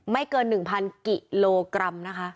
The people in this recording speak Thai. เกิน๑๐๐กิโลกรัมนะคะ